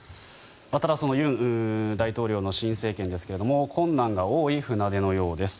ただその尹大統領の新政権ですが困難が多い船出のようです。